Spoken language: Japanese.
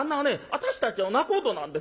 私たちの仲人なんですよ。